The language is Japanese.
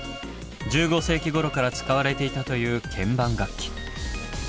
１５世紀頃から使われていたという鍵盤楽器。